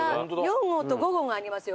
４号と５号がありますよ。